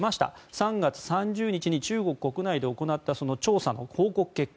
３月３０日に中国国内で行った調査の報告結果。